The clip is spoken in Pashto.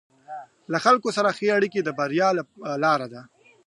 له خلکو سره ښه اړیکې د بریا لاره ده.